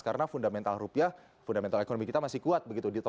karena fundamental rupiah fundamental ekonomi kita masih kuat begitu